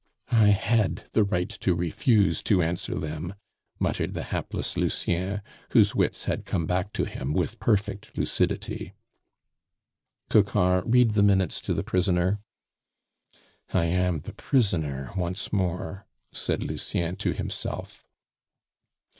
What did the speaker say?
"I had the right to refuse to answer them," muttered the hapless Lucien, whose wits had come back to him with perfect lucidity. "Coquart, read the minutes to the prisoner." "I am the prisoner once more," said Lucien to himself.